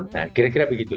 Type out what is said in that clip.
nah kira kira begitu